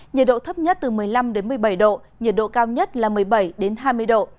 nhiệt độ thấp nhất từ một mươi năm một mươi bảy độ nhiệt độ cao nhất là một mươi bảy hai mươi độ